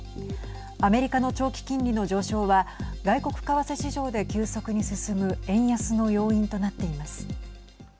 アメリカの長期金利の上昇は外国為替市場で急速に進む円安の要因となっています。